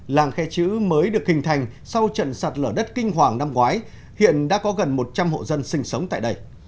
làng khe chữ mới được hình thành sau trận sạt lở đất kinh hoàng năm ngoái hiện đã có gần một trăm linh hộ dân sinh sống tại đây